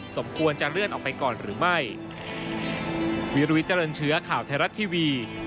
สมควรจะเลื่อนออกไปก่อนหรือไม่